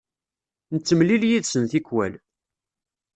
Nettemlil yid-sen tikwal.